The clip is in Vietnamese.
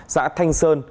xã thanh sơn